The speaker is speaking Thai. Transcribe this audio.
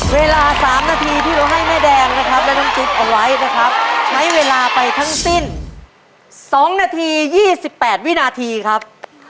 เวลา๓นาทีที่เราให้แม่แดงนะครับและน้องจิ๊บเอาไว้นะครับใช้เวลาไปทั้งสิ้น๒นาที๒๘วินาทีครับ